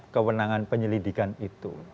kewenangan penyelidikan itu